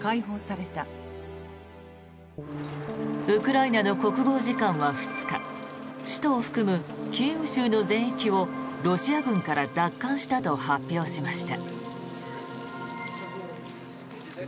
ウクライナの国防次官は２日首都を含むキーウ州の全域をロシア軍から奪還したと発表しました。